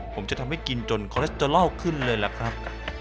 ผมจะทำให้กินจนคอเลสเตอรอลขึ้นเลยล่ะครับ